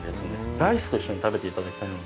ライスと一緒に食べていただきたいので。